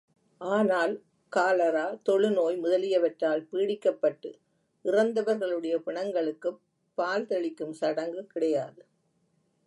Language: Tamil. ஆனால் காலரா, தொழுநோய் முதலியவற்றால் பீடிக்கப்பட்டு இறந்தவர்களுடைய பிணங்களுக்குப் பால் தெளிக்கும் சடங்கு கிடையாது.